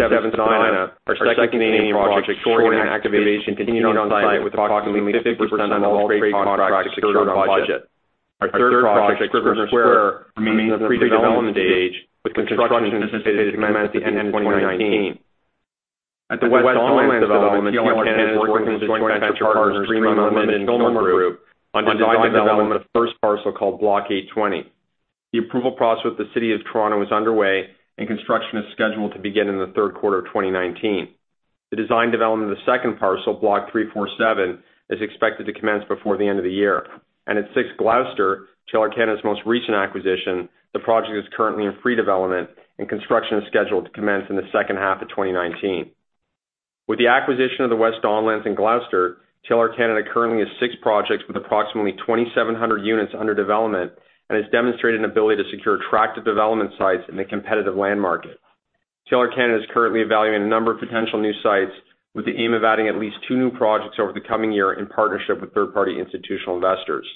7 on The Nine, our second Canadian project, shortened activation continued on site with approximately 50% of all trade contracts secured on budget. Our third project, Scrivener Square, remains in the pre-development stage, with construction anticipated to commence at the end of 2019. At the West Don Lands development, TLR Canada is working with its joint venture partners, Greenland Group and Kilmer Group, on design development of the first parcel called Block 820. The approval process with the City of Toronto is underway, construction is scheduled to begin in the third quarter of 2019. The design development of the second parcel, Block 347, is expected to commence before the end of the year. At 6 Gloucester, TLR Canada's most recent acquisition, the project is currently in pre-development and construction is scheduled to commence in the second half of 2019. With the acquisition of the West Don Lands and Gloucester, TLR Canada currently has six projects with approximately 2,700 units under development and has demonstrated an ability to secure attractive development sites in the competitive land market. TLR Canada is currently evaluating a number of potential new sites with the aim of adding at least two new projects over the coming year in partnership with third-party institutional investors.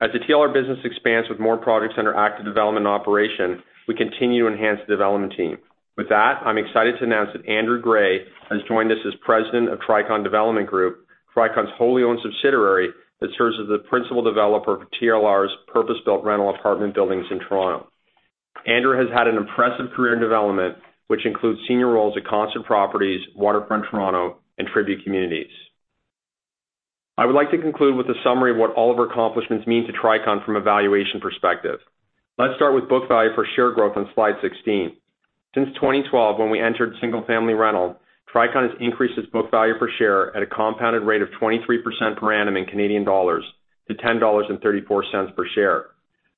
As the TLR business expands with more projects under active development and operation, we continue to enhance the development team. With that, I'm excited to announce that Andrew Gray has joined us as President of Tricon Development Group, Tricon's wholly-owned subsidiary that serves as the principal developer for TLR's purpose-built rental apartment buildings in Toronto. Andrew has had an impressive career in development, which includes senior roles at Concert Properties, Waterfront Toronto, and Tribute Communities. I would like to conclude with a summary of what all of our accomplishments mean to Tricon from a valuation perspective. Let's start with book value for share growth on slide 16. Since 2012, when we entered single-family rental, Tricon has increased its book value per share at a compounded rate of 23% per annum in Canadian dollars to 10.34 dollars per share.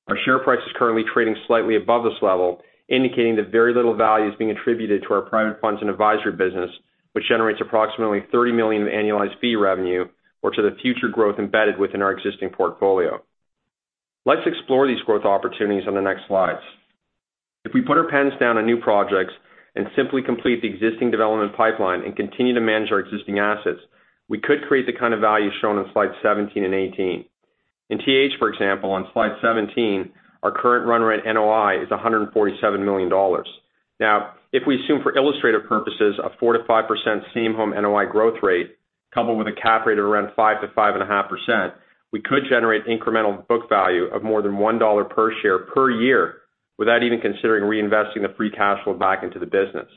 Our share price is currently trading slightly above this level, indicating that very little value is being attributed to our private funds and advisory business, which generates approximately 30 million in annualized fee revenue, or to the future growth embedded within our existing portfolio. Let's explore these growth opportunities on the next slides. If we put our pens down on new projects and simply complete the existing development pipeline and continue to manage our existing assets, we could create the kind of value shown on slides 17 and 18. In TH, for example, on slide 17, our current run rate NOI is 147 million dollars. Now, if we assume for illustrative purposes a 4%-5% same store NOI growth rate coupled with a cap rate of around 5%-5.5%, we could generate incremental book value of more than 1 dollar per share per year without even considering reinvesting the free cash flow back into the business.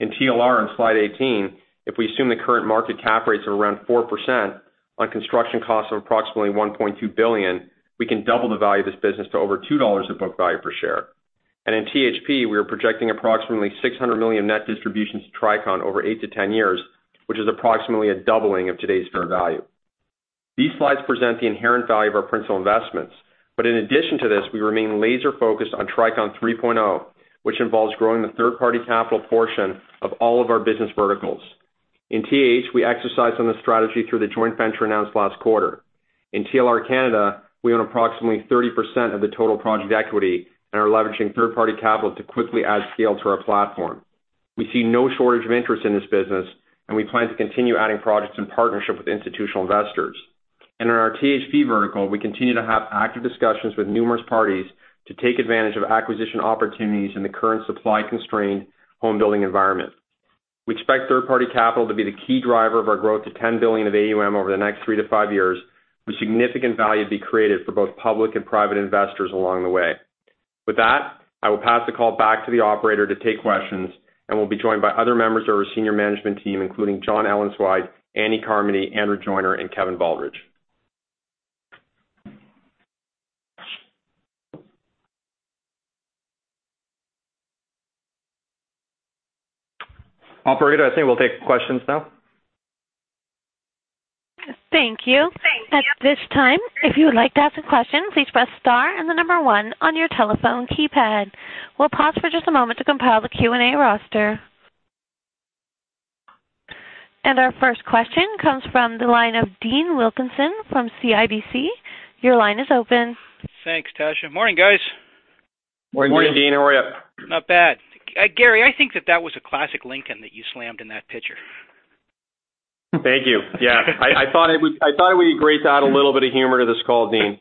In TLR on slide 18, if we assume the current market cap rates are around 4% on construction costs of approximately 1.2 billion, we can double the value of this business to over 2 dollars of book value per share. In THP, we are projecting approximately 600 million net distributions to Tricon over eight to 10 years, which is approximately a doubling of today's fair value. These slides present the inherent value of our principal investments. In addition to this, we remain laser-focused on Tricon 3.0, which involves growing the third-party capital portion of all of our business verticals. In TH, we exercise on the strategy through the joint venture announced last quarter. In TLR Canada, we own approximately 30% of the total project equity and are leveraging third-party capital to quickly add scale to our platform. We see no shortage of interest in this business, and we plan to continue adding projects in partnership with institutional investors. In our THP vertical, we continue to have active discussions with numerous parties to take advantage of acquisition opportunities in the current supply-constrained home building environment. We expect third-party capital to be the key driver of our growth to 10 billion of AUM over the next three to five years, with significant value to be created for both public and private investors along the way. With that, I will pass the call back to the operator to take questions, and we'll be joined by other members of our senior management team, including John Ellenzweig, Andy Carmody, Andrew Joyner, and Kevin Baldridge. Operator, I think we'll take questions now. Thank you. At this time, if you would like to ask a question, please press star and the number one on your telephone keypad. We'll pause for just a moment to compile the Q&A roster. Our first question comes from the line of Dean Wilkinson from CIBC. Your line is open. Thanks, Tasha. Morning, guys. Morning, Dean. How are you? Not bad. Gary, I think that that was a classic Lincoln that you slammed in that picture. Thank you. Yeah. I thought it would be great to add a little bit of humor to this call, Dean.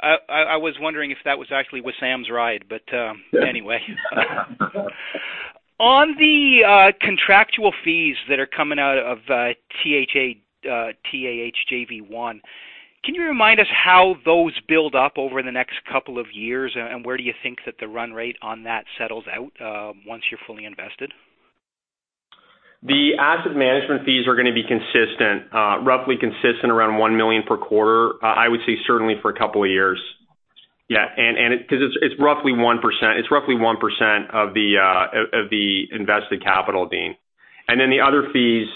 I was wondering if that was actually Wissam's ride. Anyway, on the contractual fees that are coming out of TAH JV1, can you remind us how those build up over the next couple of years? Where do you think that the run rate on that settles out once you're fully invested? The asset management fees are going to be roughly consistent around 1 million per quarter, I would say certainly for a couple of years. Yeah. Because it's roughly 1% of the invested capital, Dean. The other fees,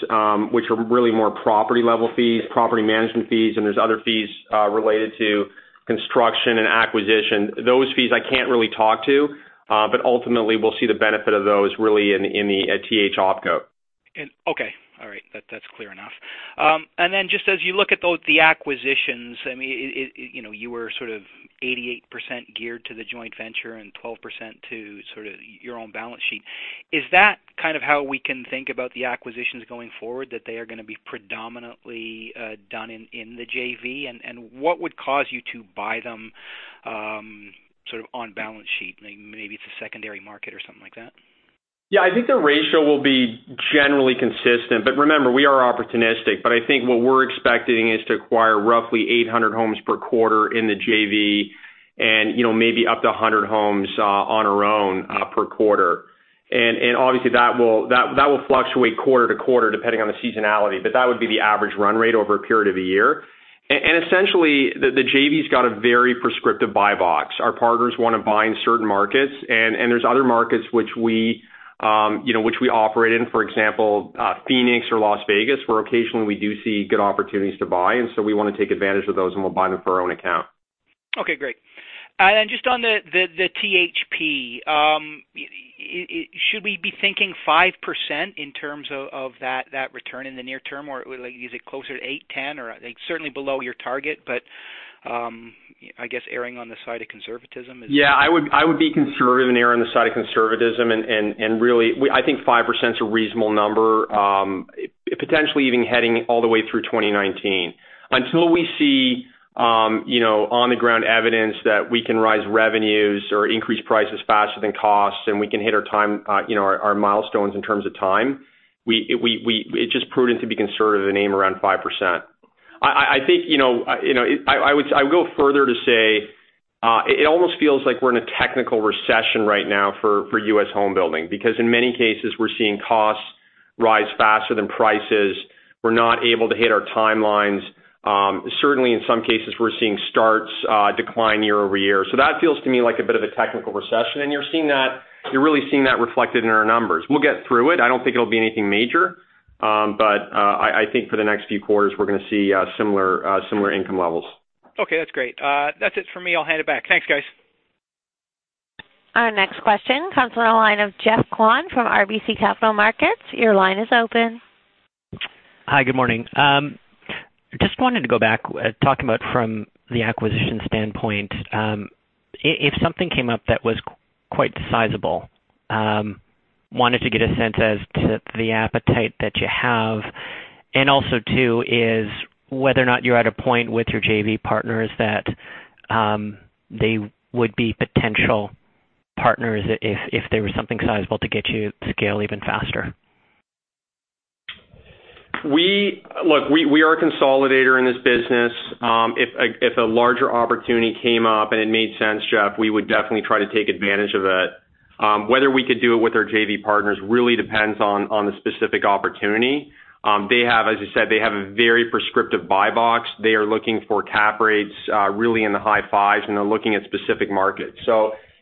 which are really more property-level fees, property management fees, and there's other fees related to construction and acquisition. Those fees I can't really talk to. Ultimately, we'll see the benefit of those really in the TH OpCo. Okay. All right. That's clear enough. Just as you look at the acquisitions, you were sort of 88% geared to the joint venture and 12% to sort of your own balance sheet. Is that kind of how we can think about the acquisitions going forward, that they are going to be predominantly done in the JV? What would cause you to buy them sort of on balance sheet? Maybe it's a secondary market or something like that. Yeah, I think the ratio will be generally consistent. Remember, we are opportunistic, but I think what we're expecting is to acquire roughly 800 homes per quarter in the JV and maybe up to 100 homes on our own per quarter. Obviously, that will fluctuate quarter to quarter depending on the seasonality, but that would be the average run rate over a period of a year. Essentially, the JV's got a very prescriptive buy box. Our partners want to buy in certain markets, and there's other markets which we operate in, for example, Phoenix or Las Vegas, where occasionally we do see good opportunities to buy, and so we want to take advantage of those, and we'll buy them for our own account. Okay, great. Just on the THP. Should we be thinking 5% in terms of that return in the near term, or is it closer to eight, 10? It's certainly below your target, I guess erring on the side of conservatism. Yeah, I would be conservative and err on the side of conservatism. Really, I think 5% is a reasonable number, potentially even heading all the way through 2019. Until we see on-the-ground evidence that we can rise revenues or increase prices faster than costs, and we can hit our milestones in terms of time, it's just prudent to be conservative and aim around 5%. I would go further to say it almost feels like we're in a technical recession right now for U.S. home building because in many cases, we're seeing costs rise faster than prices. We're not able to hit our timelines. Certainly in some cases, we're seeing starts decline year-over-year. That feels to me like a bit of a technical recession, and you're really seeing that reflected in our numbers. We'll get through it. I don't think it'll be anything major. I think for the next few quarters, we're going to see similar income levels. Okay, that's great. That's it for me. I'll hand it back. Thanks, guys. Our next question comes on the line of Geoffrey Kwan from RBC Capital Markets. Your line is open. Hi, good morning. Just wanted to go back, talking about from the acquisition standpoint. If something came up that was quite sizable, wanted to get a sense as to the appetite that you have, and also too is whether or not you're at a point with your JV partners that they would be potential partners if there was something sizable to get you to scale even faster. Look, we are a consolidator in this business. If a larger opportunity came up and it made sense, Jeff, we would definitely try to take advantage of it. Whether we could do it with our JV partners really depends on the specific opportunity. As I said, they have a very prescriptive buy box. They are looking for cap rates really in the high fives, and they're looking at specific markets.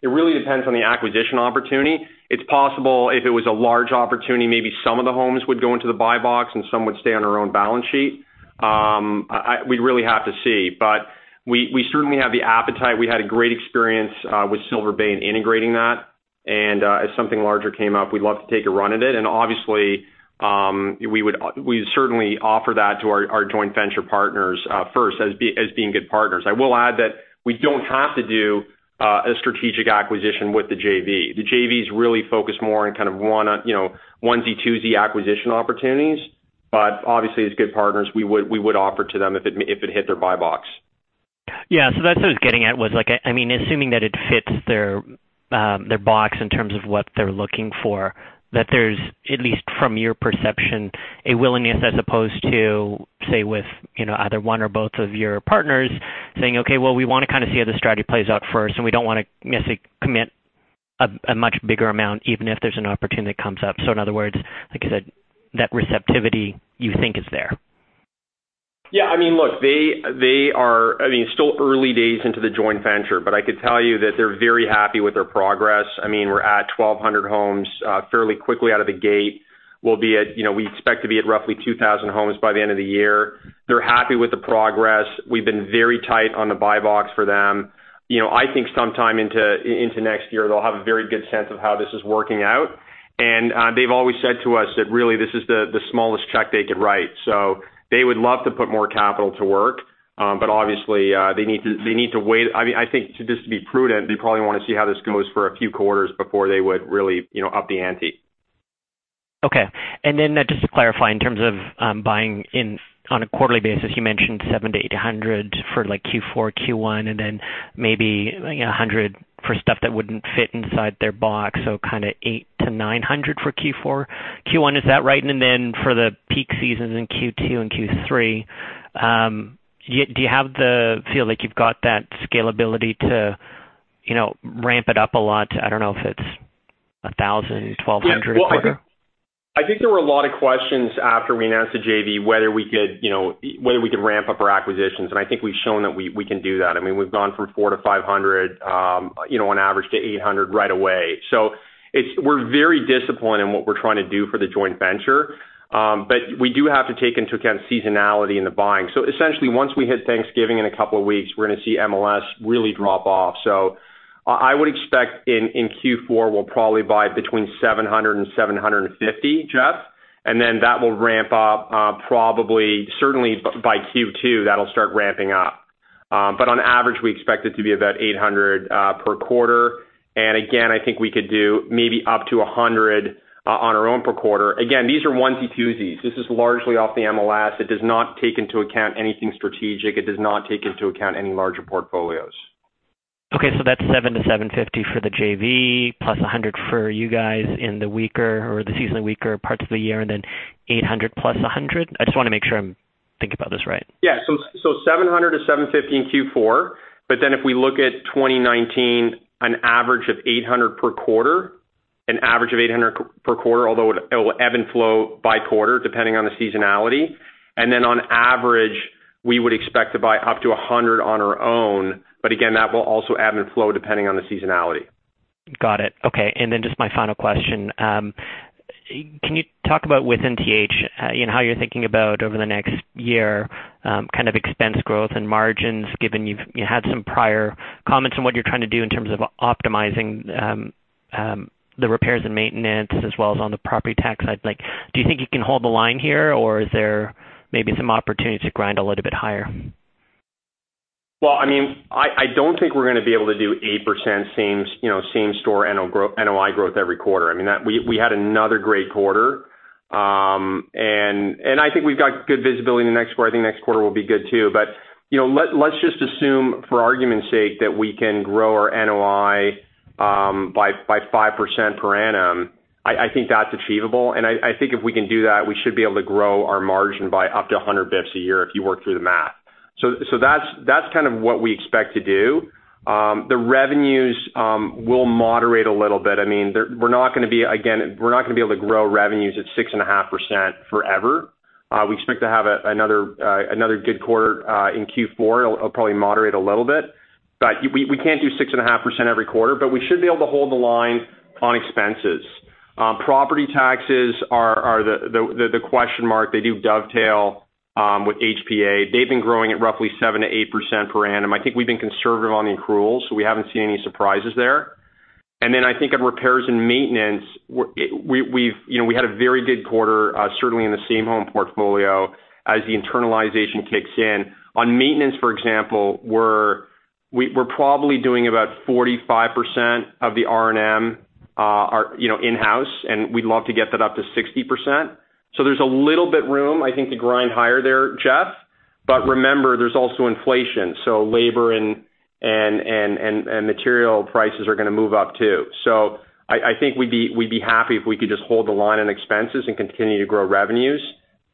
It really depends on the acquisition opportunity. It's possible if it was a large opportunity, maybe some of the homes would go into the buy box and some would stay on our own balance sheet. We'd really have to see. We certainly have the appetite. We had a great experience with Silver Bay in integrating that. If something larger came up, we'd love to take a run at it, and obviously, we'd certainly offer that to our joint venture partners first as being good partners. I will add that we don't have to do a strategic acquisition with the JV. The JV's really focused more on onesie-twosie acquisition opportunities, but obviously, as good partners, we would offer to them if it hit their buy box. Yeah. That's what I was getting at was, assuming that it fits their box in terms of what they're looking for, that there's, at least from your perception, a willingness as opposed to, say, with either one or both of your partners saying, "Okay, well, we want to kind of see how the strategy plays out first, and we don't want to necessarily commit a much bigger amount, even if there's an opportunity that comes up." In other words, like I said, that receptivity you think is there. Yeah. Look, still early days into the joint venture, but I could tell you that they're very happy with their progress. We're at 1,200 homes fairly quickly out of the gate. We expect to be at roughly 2,000 homes by the end of the year. They're happy with the progress. We've been very tight on the buy box for them. I think sometime into next year, they'll have a very good sense of how this is working out. They've always said to us that really this is the smallest check they could write. They would love to put more capital to work. Obviously, they need to wait. I think just to be prudent, they probably want to see how this goes for a few quarters before they would really up the ante. Okay. Just to clarify, in terms of buying on a quarterly basis, you mentioned 700-800 for Q4, Q1, then maybe 100 for stuff that wouldn't fit inside their buy box, so kind of 800-900 for Q4, Q1, is that right? For the peak seasons in Q2 and Q3, do you feel like you've got that scalability to ramp it up a lot? I don't know if it's 1,000, 1,200 a quarter. I think there were a lot of questions after we announced the JV, whether we could ramp up our acquisitions, and I think we've shown that we can do that. We've gone from 400-500 on average to 800 right away. We're very disciplined in what we're trying to do for the joint venture. We do have to take into account seasonality in the buying. Essentially, once we hit Thanksgiving in a couple of weeks, we're going to see MLS really drop off. I would expect in Q4, we'll probably buy between 700-750, Geoffrey Kwan, then that will ramp up probably, certainly by Q2, that'll start ramping up. On average, we expect it to be about 800 per quarter. Again, I think we could do maybe up to 100 on our own per quarter. Again, these are onesie-twosies. This is largely off the MLS. It does not take into account anything strategic. It does not take into account any larger portfolios. Okay. That's 700-750 for the JV plus 100 for you guys in the weaker or the seasonally weaker parts of the year, and then 800 plus 100? I just want to make sure I'm thinking about this right. Yeah. 700-750 in Q4, if we look at 2019, an average of 800 per quarter, although it will ebb and flow by quarter depending on the seasonality. On average, we would expect to buy up to 100 on our own. Again, that will also ebb and flow depending on the seasonality. Got it. Okay. Just my final question. Can you talk about with TH, how you're thinking about over the next year, kind of expense growth and margins, given you had some prior comments on what you're trying to do in terms of optimizing the repairs and maintenance, as well as on the property tax side? Do you think you can hold the line here, or is there maybe some opportunity to grind a little bit higher? Well, I don't think we're going to be able to do 8% same store NOI growth every quarter. We had another great quarter. I think we've got good visibility in the next quarter. I think next quarter will be good too. Let's just assume for argument's sake that we can grow our NOI by 5% per annum. I think that's achievable, and I think if we can do that, we should be able to grow our margin by up to 100 basis points a year if you work through the math. That's kind of what we expect to do. The revenues will moderate a little bit. Again, we're not going to be able to grow revenues at 6.5% forever. We expect to have another good quarter in Q4. It'll probably moderate a little bit. We can't do 6.5% every quarter, but we should be able to hold the line on expenses. Property taxes are the question mark. They do dovetail with HPA. They've been growing at roughly 7%-8% per annum. I think we've been conservative on the accruals, so we haven't seen any surprises there. Then I think on repairs and maintenance, we had a very good quarter, certainly in the same home portfolio as the internalization kicks in. On maintenance, for example, we're probably doing about 45% of the R&M in-house, and we'd love to get that up to 60%. There's a little bit room, I think, to grind higher there, Jeff. Remember, there's also inflation. Labor and material prices are going to move up, too. I think we'd be happy if we could just hold the line on expenses and continue to grow revenues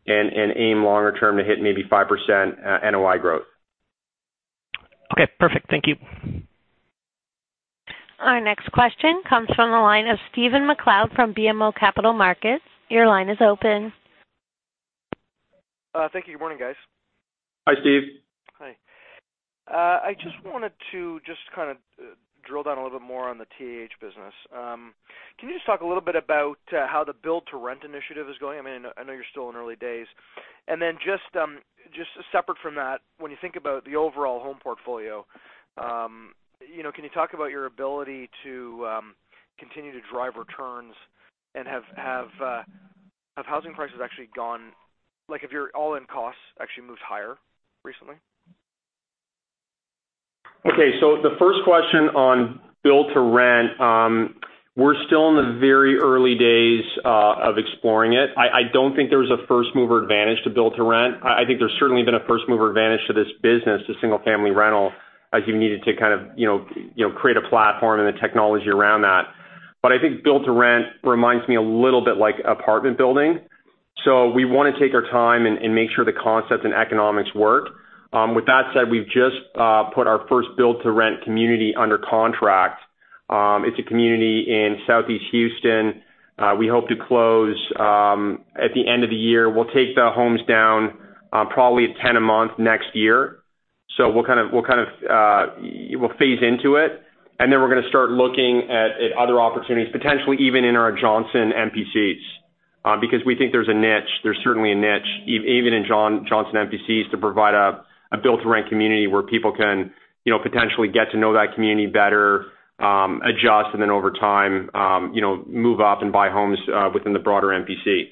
and aim longer term to hit maybe 5% NOI growth. Okay, perfect. Thank you. Our next question comes from the line of Stephen MacLeod from BMO Capital Markets. Your line is open. Thank you. Good morning, guys. Hi, Steve. Hi. I just wanted to just kind of drill down a little bit more on the TH business. Can you just talk a little bit about how the build-to-rent initiative is going? I know you're still in early days. Just separate from that, when you think about the overall home portfolio, can you talk about your ability to continue to drive returns and have housing prices actually gone Like, have your all-in costs actually moved higher recently? Okay. The first question on build-to-rent, we're still in the very early days of exploring it. I don't think there's a first-mover advantage to build-to-rent. I think there's certainly been a first-mover advantage to this business, to single-family rental, as you needed to kind of create a platform and the technology around that. I think build-to-rent reminds me a little bit like apartment building. We want to take our time and make sure the concepts and economics work. With that said, we've just put our first build-to-rent community under contract. It's a community in Southeast Houston. We hope to close at the end of the year. We'll take the homes down probably at 10 a month next year. We'll phase into it, we're going to start looking at other opportunities, potentially even in our Johnson MPCs. We think there's a niche. There's certainly a niche, even in Johnson MPCs, to provide a build-to-rent community where people can potentially get to know that community better, adjust, and then over time move up and buy homes within the broader MPC.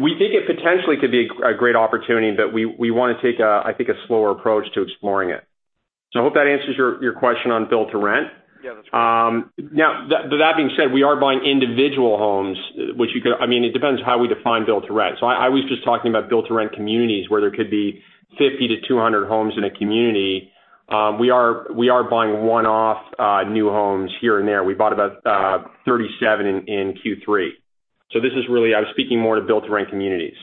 We think it potentially could be a great opportunity, but we want to take, I think, a slower approach to exploring it. I hope that answers your question on build-to-rent. Yeah, that's great. Now, that being said, we are buying individual homes. It depends how we define build-to-rent. I was just talking about build-to-rent communities where there could be 50-200 homes in a community. We are buying one-off new homes here and there. We bought about 37 in Q3. This is really, I was speaking more to build-to-rent communities.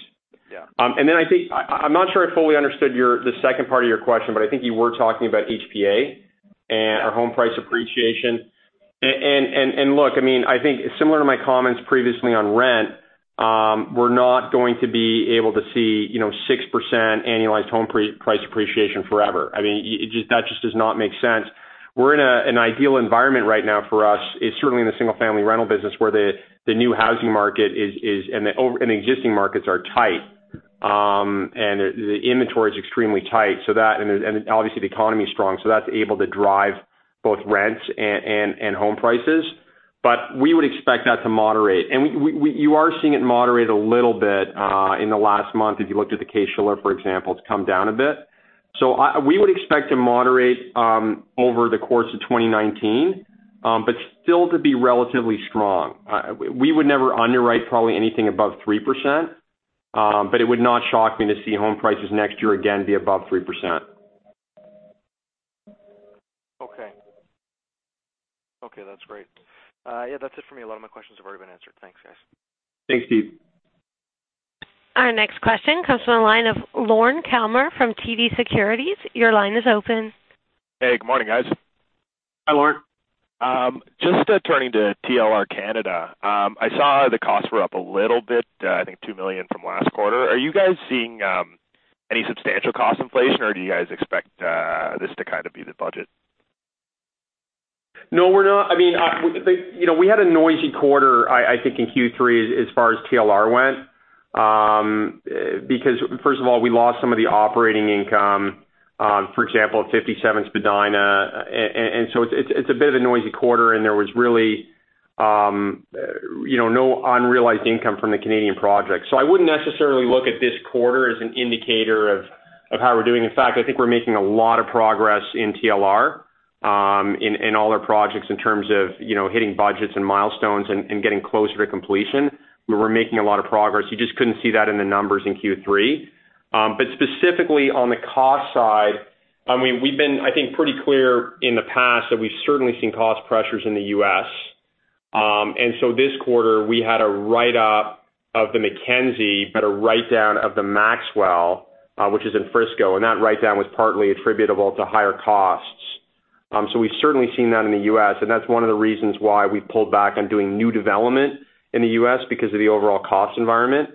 Yeah. I think, I'm not sure I fully understood the second part of your question, but I think you were talking about HPA or home price appreciation. Look, I think similar to my comments previously on rent, we're not going to be able to see 6% annualized home price appreciation forever. That just does not make sense. We're in an ideal environment right now for us. It's certainly in the single-family rental business where the new housing market and existing markets are tight. The inventory is extremely tight, and obviously, the economy is strong, so that's able to drive both rents and home prices. We would expect that to moderate. You are seeing it moderate a little bit in the last month. If you looked at the Case-Shiller, for example, it's come down a bit. We would expect to moderate over the course of 2019 but still to be relatively strong. We would never underwrite probably anything above 3%. It would not shock me to see home prices next year again be above 3%. Okay. Okay, that's great. Yeah, that's it for me. A lot of my questions have already been answered. Thanks, guys. Thanks, Steve. Our next question comes from the line of Lorne Kalmar from TD Securities. Your line is open. Hey. Good morning, guys. Hi, Lorne. Just turning to TLR Group, I saw the costs were up a little bit, I think 2 million from last quarter. Do you guys seeing any substantial cost inflation, or do you guys expect this to kind of be the budget? No, we're not. We had a noisy quarter, I think, in Q3 as far as TLR went. First of all, we lost some of the operating income, for example, 57 Spadina. It's a bit of a noisy quarter, and there was really no unrealized income from the Canadian project. I wouldn't necessarily look at this quarter as an indicator of how we're doing. In fact, I think we're making a lot of progress in TLR, in all our projects in terms of hitting budgets and milestones and getting closer to completion. We were making a lot of progress. You just couldn't see that in the numbers in Q3. Specifically on the cost side, we've been, I think, pretty clear in the past that we've certainly seen cost pressures in the U.S. This quarter, we had a write-up of the McKenzie, but a write-down of The Maxwell, which is in Frisco, and that write-down was partly attributable to higher costs. We've certainly seen that in the U.S., and that's one of the reasons why we've pulled back on doing new development in the U.S. because of the overall cost environment.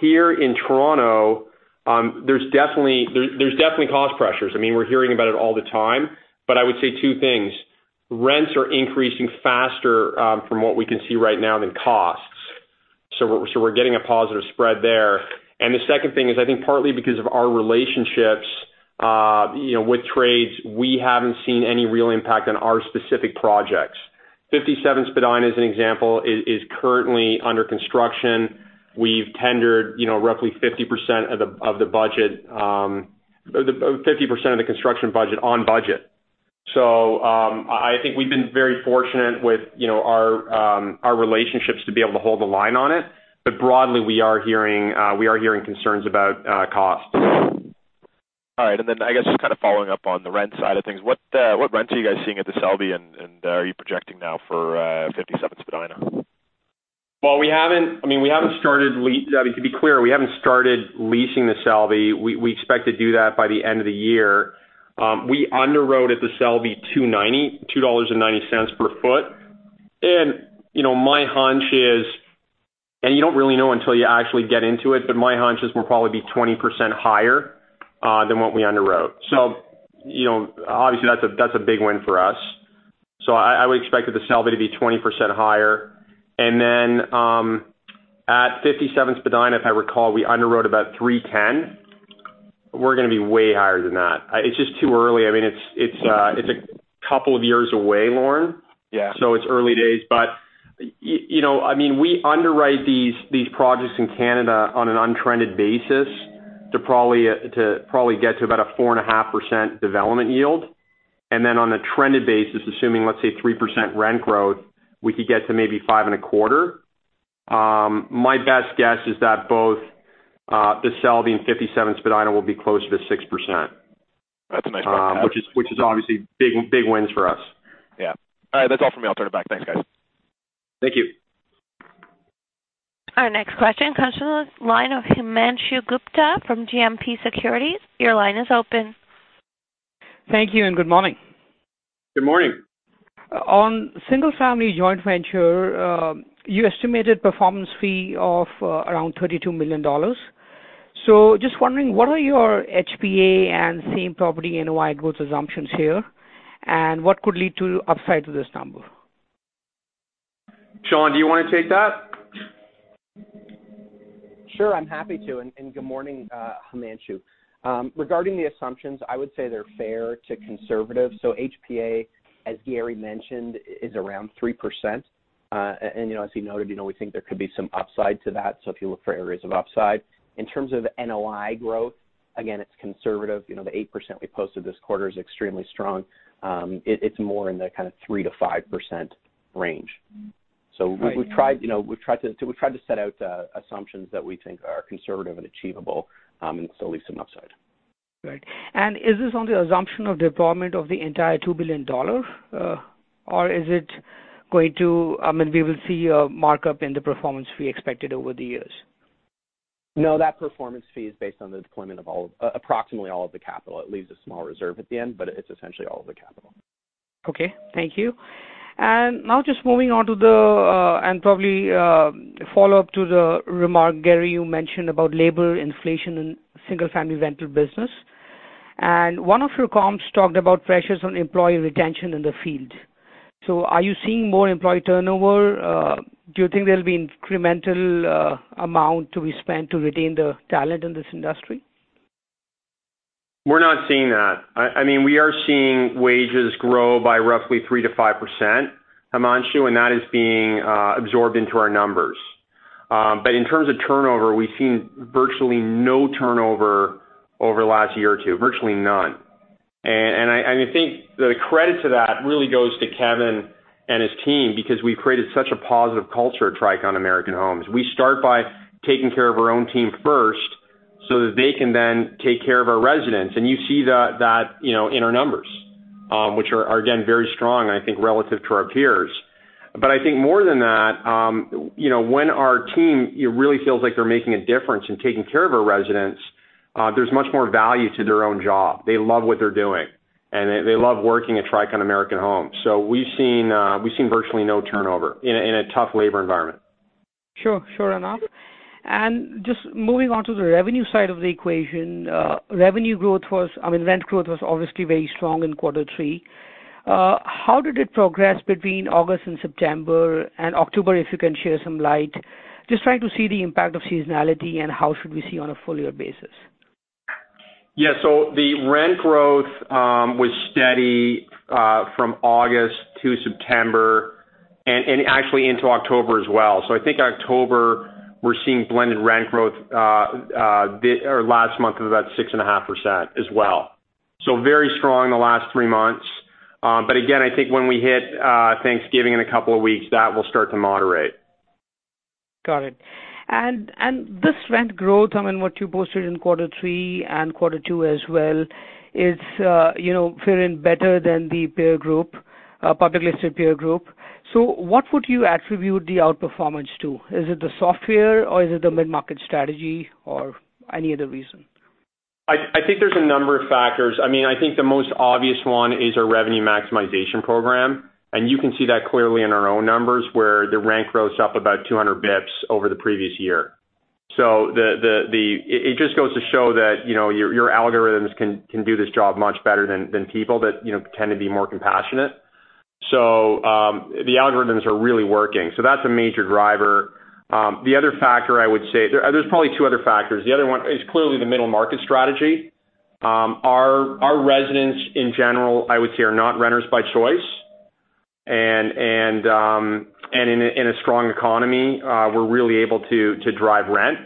Here in Toronto, there's definitely cost pressures. We're hearing about it all the time. I would say two things. Rents are increasing faster, from what we can see right now, than costs. We're getting a positive spread there. The second thing is, I think partly because of our relationships with trades, we haven't seen any real impact on our specific projects. 57 Spadina, as an example, is currently under construction. We've tendered roughly 50% of the construction budget on budget. I think we've been very fortunate with our relationships to be able to hold the line on it. Broadly, we are hearing concerns about costs. All right. I guess just kind of following up on the rent side of things, what rents are you guys seeing at The Selby, and are you projecting now for 57 Spadina? To be clear, we haven't started leasing The Selby. We expect to do that by the end of the year. We underwrote at The Selby 2.90 dollars per foot. You don't really know until you actually get into it, but my hunch is we'll probably be 20% higher than what we underwrote. Obviously, that's a big win for us. I would expect The Selby to be 20% higher. At 57 Spadina, if I recall, we underwrote about 3.10. We're going to be way higher than that. It's just too early. It's a couple of years away, Lorne. Yeah. It's early days. We underwrite these projects in Canada on an untrended basis to probably get to about a 4.5% development yield. Then on a trended basis, assuming, let's say, 3% rent growth, we could get to maybe 5.25%. My best guess is that both The Selby and 57 Spadina will be closer to 6%. That's a nice run to have. Which is obviously big wins for us. Yeah. All right. That's all for me. I'll turn it back. Thanks, guys. Thank you. Our next question comes from the line of Himanshu Gupta from GMP Securities. Your line is open. Thank you and good morning. Good morning. On single-family joint venture, you estimated performance fee of around 32 million dollars. Just wondering, what are your HPA and same property NOI growth assumptions here, and what could lead to upside to this number? Jon, do you want to take that? Sure, I'm happy to. Good morning, Himanshu. Regarding the assumptions, I would say they're fair to conservative. HPA, as Gary mentioned, is around 3%. As he noted, we think there could be some upside to that, if you look for areas of upside. In terms of NOI growth, again, it's conservative. The 8% we posted this quarter is extremely strong. It's more in the kind of 3%-5% range. We've tried to set out assumptions that we think are conservative and achievable, leave some upside. Right. Is this on the assumption of deployment of the entire 2 billion dollars, or we will see a markup in the performance fee expected over the years? No, that performance fee is based on the deployment of approximately all of the capital. It leaves a small reserve at the end, but it's essentially all of the capital. Okay. Thank you. Now just moving on to the, probably a follow-up to the remark, Gary, you mentioned about labor inflation in single-family venture business. One of your comments talked about pressures on employee retention in the field. Are you seeing more employee turnover? Do you think there'll be incremental amount to be spent to retain the talent in this industry? We're not seeing that. We are seeing wages grow by roughly 3%-5%, Himanshu, that is being absorbed into our numbers. In terms of turnover, we've seen virtually no turnover over the last year or two. Virtually none. I think the credit to that really goes to Kevin and his team, because we've created such a positive culture at Tricon American Homes. We start by taking care of our own team first, so that they can then take care of our residents. You see that in our numbers, which are again, very strong, I think, relative to our peers. I think more than that, when our team really feels like they're making a difference in taking care of our residents, there's much more value to their own job. They love what they're doing, and they love working at Tricon American Homes. We've seen virtually no turnover in a tough labor environment. Sure. Fair enough. Just moving on to the revenue side of the equation. I mean, rent growth was obviously very strong in quarter three. How did it progress between August and September, and October, if you can share some light? Just trying to see the impact of seasonality and how should we see on a full year basis? Yeah. The rent growth was steady from August to September, and actually into October as well. I think October, we're seeing blended rent growth, or last month of about 6.5% as well. Very strong in the last three months. Again, I think when we hit Thanksgiving in a couple of weeks, that will start to moderate. Got it. This rent growth, I mean, what you posted in quarter three and quarter two as well is fairing better than the peer group, publicly listed peer group. What would you attribute the outperformance to? Is it the software or is it the mid-market strategy or any other reason? I think there's a number of factors. I think the most obvious one is our Revenue Maximization Program, you can see that clearly in our own numbers, where the rent rose up about 200 basis points over the previous year. It just goes to show that your algorithms can do this job much better than people that tend to be more compassionate. The algorithms are really working. That's a major driver. There's probably two other factors. The other one is clearly the Middle Market Strategy. Our residents, in general, I would say, are not renters by choice. In a strong economy, we're really able to drive rent.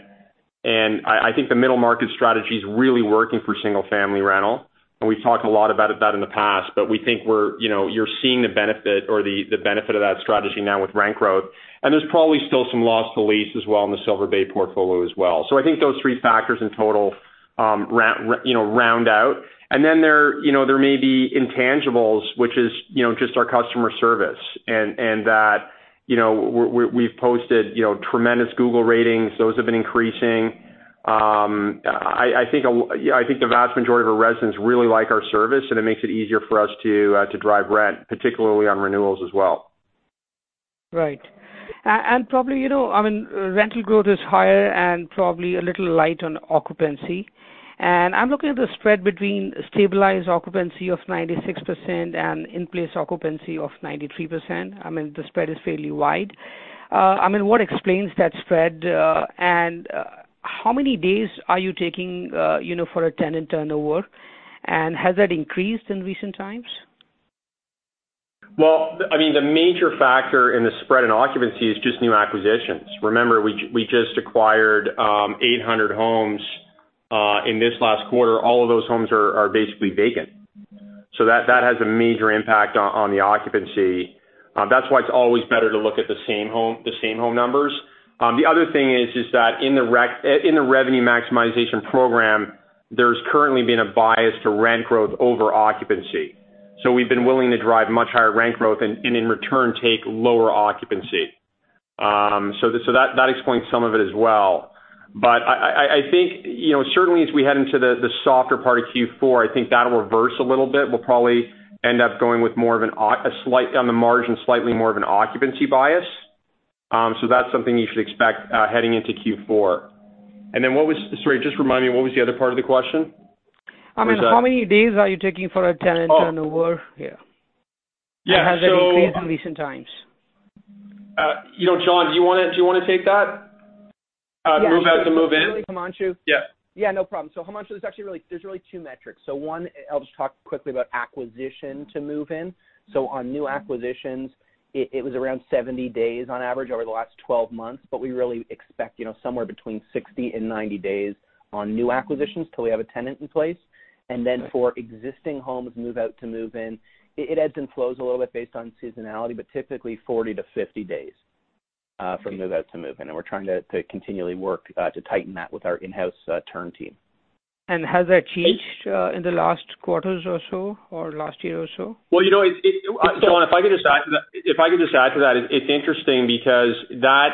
I think the Middle Market Strategy is really working for single-family rental, and we've talked a lot about that in the past. We think you're seeing the benefit or the benefit of that strategy now with rent growth. There's probably still some loss to lease as well in the Silver Bay portfolio as well. I think those three factors in total round out. There may be intangibles, which is just our customer service, and that we've posted tremendous Google ratings. Those have been increasing. I think the vast majority of our residents really like our service, and it makes it easier for us to drive rent, particularly on renewals as well. Right. Probably, I mean, rent growth is higher and probably a little light on occupancy. I'm looking at the spread between stabilized occupancy of 96% and in-place occupancy of 93%. I mean, the spread is fairly wide. What explains that spread? How many days are you taking for a tenant turnover? Has that increased in recent times? Well, I mean, the major factor in the spread in occupancy is just new acquisitions. Remember, we just acquired 800 homes in this last quarter. All of those homes are basically vacant. That has a major impact on the occupancy. That's why it's always better to look at the same home numbers. The other thing is that in the revenue maximization program, there's currently been a bias to rent growth over occupancy. We've been willing to drive much higher rent growth and in return, take lower occupancy. That explains some of it as well. I think certainly as we head into the softer part of Q4, I think that'll reverse a little bit. We'll probably end up going with more of an slight on the margin, slightly more of an occupancy bias. That's something you should expect heading into Q4. What was Sorry, just remind me, what was the other part of the question? I mean, how many days are you taking for a tenant turnover? Yeah. Has that increased in recent times? John, do you want to take that? Move out to move in? Yeah, sure. Really. Himanshu. Yeah. No problem. Himanshu, there's actually really two metrics. One, I'll just talk quickly about acquisition to move in. On new acquisitions, it was around 70 days on average over the last 12 months. We really expect somewhere between 60 and 90 days on new acquisitions till we have a tenant in place. Then for existing homes move out to move in, it ebbs and flows a little bit based on seasonality, but typically 40-50 days from move out to move in. We're trying to continually work to tighten that with our in-house turn team. Has that changed in the last quarters or so, or last year or so? Well, John, if I could just add to that, it's interesting because that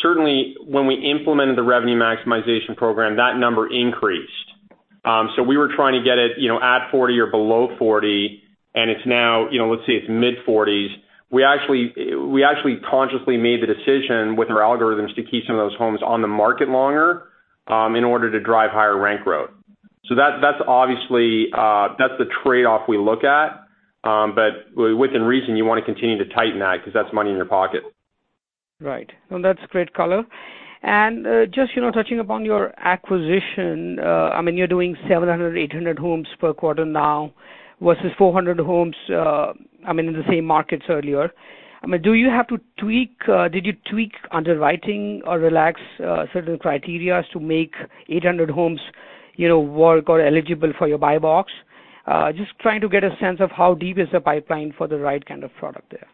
certainly when we implemented the Revenue Maximization Program, that number increased. We were trying to get it at 40 or below 40, and it's now, let's say, it's mid-40s. We actually consciously made the decision with our algorithms to keep some of those homes on the market longer, in order to drive higher rent growth. That's obviously the trade-off we look at. Within reason, you want to continue to tighten that because that's money in your pocket. Right. No, that's great color. Just touching upon your acquisition, I mean, you're doing 700, 800 homes per quarter now versus 400 homes, I mean, in the same markets earlier. Do you have to tweak? Did you tweak underwriting or relax certain criteria to make 800 homes work or eligible for your buy box? Just trying to get a sense of how deep is the pipeline for the right kind of product there.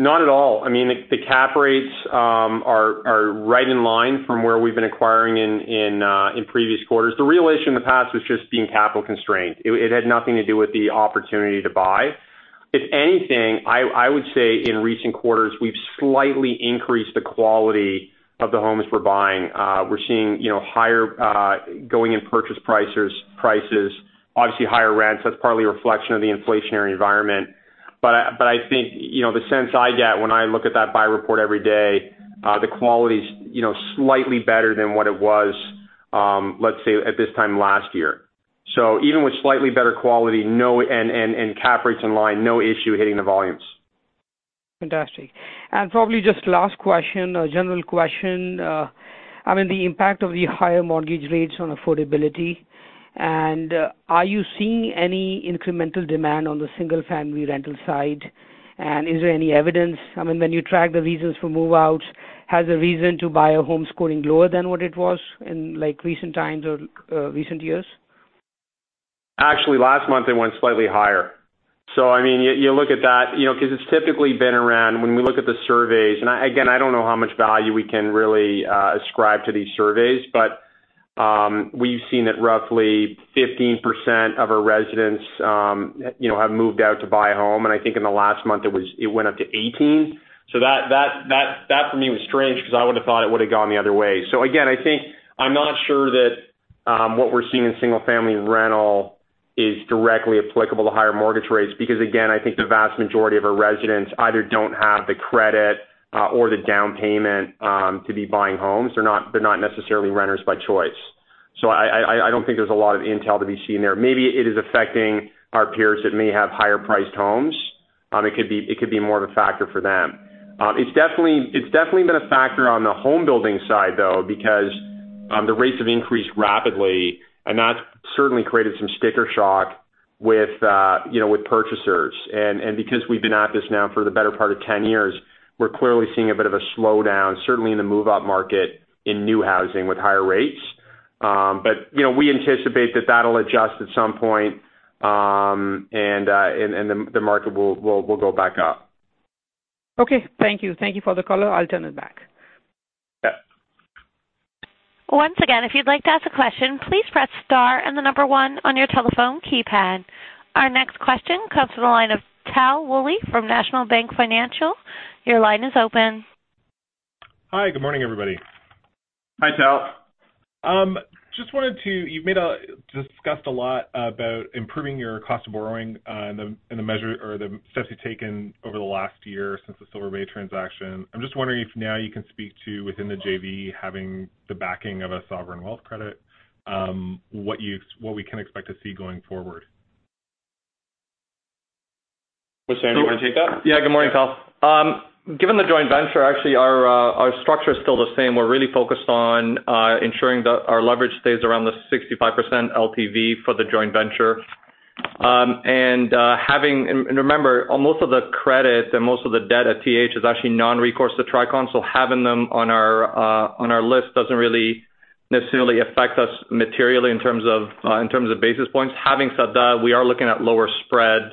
Not at all. The cap rates are right in line from where we've been acquiring in previous quarters. The real issue in the past was just being capital constrained. It had nothing to do with the opportunity to buy. If anything, I would say in recent quarters, we've slightly increased the quality of the homes we're buying. We're seeing higher going in purchase prices, obviously higher rents. That's partly a reflection of the inflationary environment. I think, the sense I get when I look at that buy report every day, the quality's slightly better than what it was, let's say, at this time last year. Even with slightly better quality and cap rates in line, no issue hitting the volumes. Fantastic. Probably just last question, a general question. The impact of the higher mortgage rates on affordability. Are you seeing any incremental demand on the single-family rental side? Is there any evidence? When you track the reasons for move-outs, has a reason to buy a home scoring lower than what it was in recent times or recent years? Actually, last month it went slightly higher. You look at that, because it's typically been around, when we look at the surveys, and again, I don't know how much value we can really ascribe to these surveys. We've seen that roughly 15% of our residents have moved out to buy a home. I think in the last month, it went up to 18. That for me was strange because I would've thought it would've gone the other way. Again, I think I'm not sure that what we're seeing in single-family rental is directly applicable to higher mortgage rates because, again, I think the vast majority of our residents either don't have the credit or the down payment to be buying homes. They're not necessarily renters by choice. I don't think there's a lot of intel to be seen there. Maybe it is affecting our peers that may have higher priced homes. It could be more of a factor for them. It's definitely been a factor on the home building side, though, because the rates have increased rapidly, and that's certainly created some sticker shock with purchasers. Because we've been at this now for the better part of 10 years, we're clearly seeing a bit of a slowdown, certainly in the move-up market in new housing with higher rates. We anticipate that that'll adjust at some point, and the market will go back up. Okay. Thank you. Thank you for the color. I'll turn it back. Yeah. Once again, if you'd like to ask a question, please press star and the number 1 on your telephone keypad. Our next question comes from the line of Tal Woolley from National Bank Financial. Your line is open. Hi. Good morning, everybody. Hi, Tal. You've discussed a lot about improving your cost of borrowing and the steps you've taken over the last year since the Silver Bay transaction. I'm just wondering if now you can speak to, within the JV, having the backing of a sovereign wealth credit, what we can expect to see going forward. Wissam, do you want to take that? Yeah. Good morning, Tal. Given the joint venture, actually, our structure is still the same. We're really focused on ensuring that our leverage stays around the 65% LTV for the joint venture. Remember, most of the credit and most of the debt at TH is actually non-recourse to Tricon. Having them on our list doesn't really necessarily affect us materially in terms of basis points. Having said that, we are looking at lower spread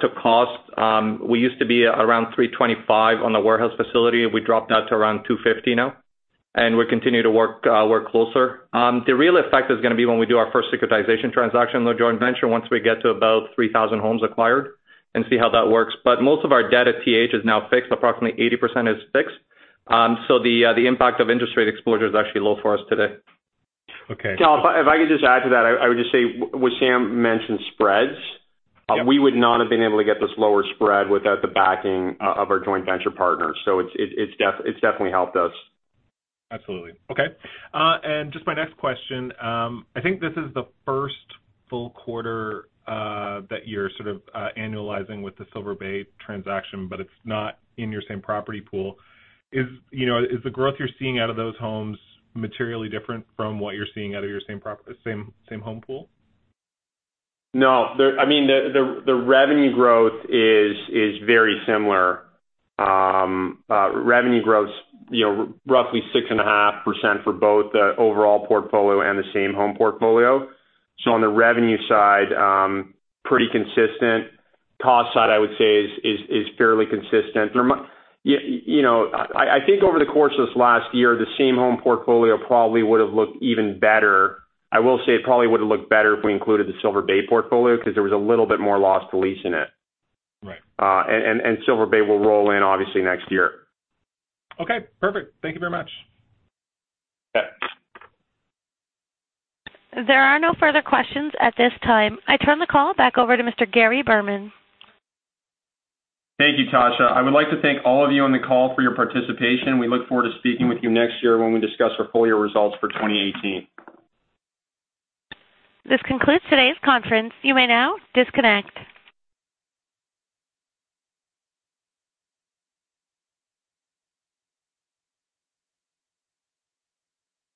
to cost. We used to be around 325 on the warehouse facility. We dropped that to around 250 now, and we continue to work closer. The real effect is going to be when we do our first securitization transaction with the joint venture, once we get to about 3,000 homes acquired and see how that works. Most of our debt at TH is now fixed. Approximately 80% is fixed. The impact of interest rate exposure is actually low for us today. Okay. Tal, if I could just add to that. I would just say, what Sam mentioned, spreads. Yeah. We would not have been able to get this lower spread without the backing of our joint venture partners. It's definitely helped us. Absolutely. Okay. Just my next question. I think this is the first full quarter that you're sort of annualizing with the Silver Bay transaction, but it's not in your same property pool. Is the growth you're seeing out of those homes materially different from what you're seeing out of your same home pool? No. The revenue growth is very similar. Revenue growth's roughly 6.5% for both the overall portfolio and the same home portfolio. On the revenue side, pretty consistent. Cost side, I would say is fairly consistent. I think over the course of this last year, the same home portfolio probably would've looked even better. I will say it probably would've looked better if we included the Silver Bay portfolio because there was a little bit more loss to lease in it. Right. Silver Bay will roll in, obviously, next year. Okay. Perfect. Thank you very much. Yeah. There are no further questions at this time. I turn the call back over to Mr. Gary Berman. Thank you, Tasha. I would like to thank all of you on the call for your participation. We look forward to speaking with you next year when we discuss our full year results for 2018. This concludes today's conference. You may now disconnect.